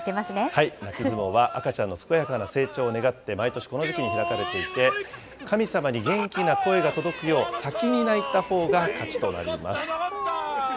泣き相撲は赤ちゃんの健やかな成長を願って、毎年、この時期に開かれていて、神様に元気な声が届くよう、先に泣いたほうが勝ちとなります。